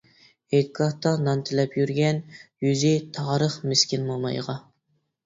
ھېيتگاھتا نان تىلەپ يۈرگەن يۈزى تارىخ مىسكىن مومايغا.